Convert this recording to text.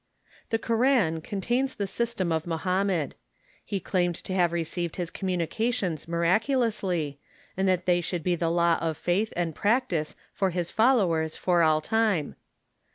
The Koran contains the system of Mohammed. He claimed to have received his communications miraculously, and that they should be the law of faith and practice for his followers for all time.